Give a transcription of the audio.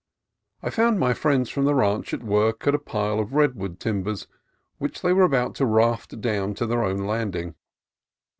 I found my friends from the ranch at work at a pile of red wood timbers which they were about to raft down to their own landing.